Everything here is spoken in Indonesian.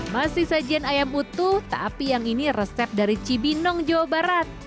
masih sajian ayam utuh tapi yang ini resep dari cibinong jawa barat